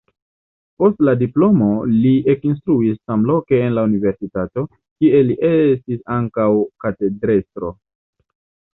Post la diplomo li ekinstruis samloke en la universitato, kie li estis ankaŭ katedrestro.